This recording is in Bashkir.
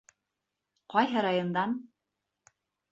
Ҡайһы райондан?